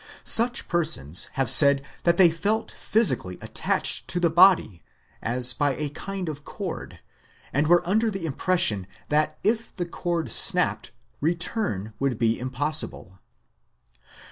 Such persons have said that they felt physically attached to the body, as by a kind of cord, and were under the impression that if the cord snapped return would be impossible.